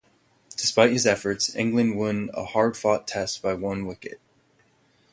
Despite his efforts, England won a hard-fought Test by one wicket.